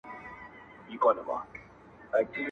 ډېر عمر ښه دی عجیبي وینو٫